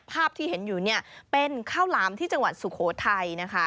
ภาพที่เห็นอยู่เนี่ยเป็นข้าวหลามที่จังหวัดสุโขทัยนะคะ